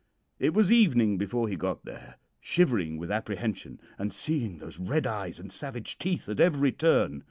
It was evening before he got there, shivering with apprehension, and seeing those red eyes and savage teeth at every turn.